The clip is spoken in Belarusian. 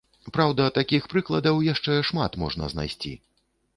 Праўда, такіх прыкладаў яшчэ шмат можна знайсці.